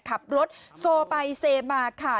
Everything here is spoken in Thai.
ขับรถโซไปเซมาค่ะ